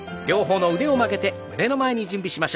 両方の腕を曲げて胸の前に。